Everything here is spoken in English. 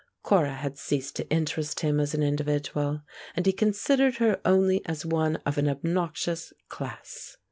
Cora had ceased to interest him as an individual, and he considered her only as one of an obnoxious class.